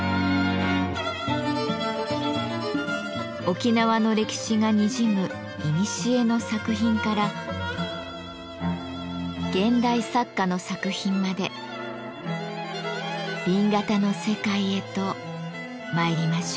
沖縄の歴史がにじむいにしえの作品から現代作家の作品まで紅型の世界へと参りましょう。